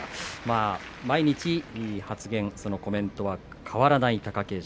毎日発言、コメントは変わらない貴景勝。